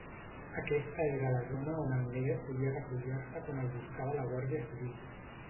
Aquesta era la zona on Anglés solia refugiar-se quan el buscava la Guàrdia Civil.